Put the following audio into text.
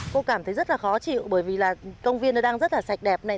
cô cảm thấy rất là khó chịu bởi vì là công viên nó đang rất là sạch đẹp này